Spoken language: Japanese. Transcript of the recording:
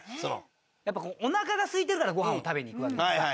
やっぱおなかが空いてるからごはんを食べに行くわけじゃんか。